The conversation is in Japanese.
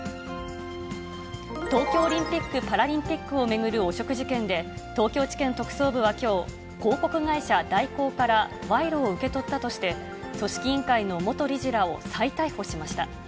東京オリンピック・パラリンピックを巡る汚職事件で、東京地検特捜部はきょう、広告会社、大広から賄賂を受け取ったとして、組織委員会の元理事らを再逮捕しました。